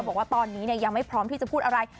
บอกว่าตอนนี้ยังไม่พร้อมที่จะพูดอะไร